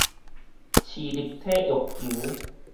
市立體育場